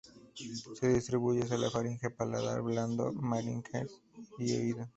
Se distribuye hacia la faringe, paladar blando, meninges y oído.